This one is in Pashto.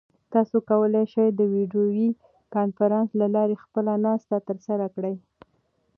تاسو کولای شئ چې د ویډیویي کنفرانس له لارې خپله ناسته ترسره کړئ.